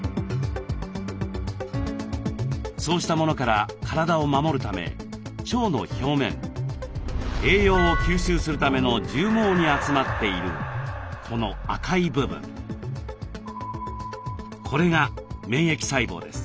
そうしたものから体を守るため腸の表面栄養を吸収するための絨毛に集まっているこの赤い部分これが免疫細胞です。